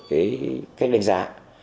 cái cách đánh giá